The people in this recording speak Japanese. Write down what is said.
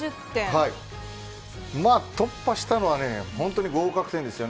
突破したのは本当に合格点です。